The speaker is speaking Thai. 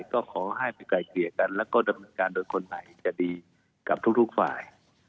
ก็ขอให้ไปไกลเกลี่ยกันแล้วก็ดำเนินการโดยคนใหม่จะดีกับทุกฝ่าย